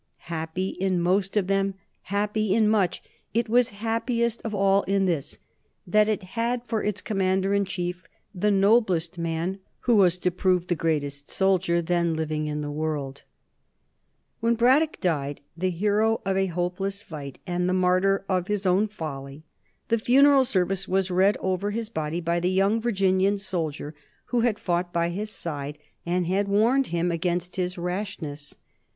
Happy in most of them, happy in much, it was happiest of all in this: that it had for its commander in chief the noblest man, who was to prove the greatest soldier, then living in the world. [Sidenote: 1775 George Washington] When Braddock died, the hero of a hopeless fight and the martyr of his own folly, the funeral service was read over his body by the young Virginian soldier who had fought by his side and had warned him against his rashness.